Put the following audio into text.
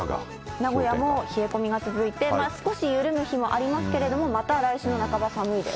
名古屋も冷え込みが続いて、少し緩む日もありますけれども、また来週の半ば、寒いです。